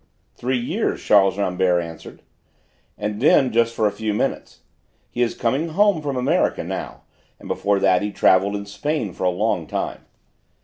"Three years," Charles Rambert answered, "and then just for a few minutes. He is coming home from America now, and before that he travelled in Spain for a long time."